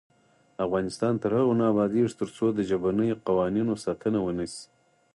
افغانستان تر هغو نه ابادیږي، ترڅو د ژبنیو قوانینو ساتنه ونشي.